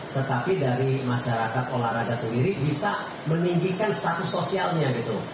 tetapi dari masyarakat olahraga sendiri bisa meninggikan status sosialnya gitu